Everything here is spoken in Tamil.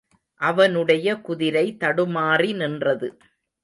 அவனுடைய குதிரை தடுமாறி நின்றது.